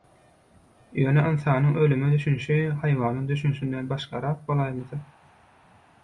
Ýöne ynsanyň ölüme düşünşi haýwanyň düşünşinden başgarak bolaýmasa.